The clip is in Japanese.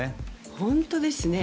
本当ですね。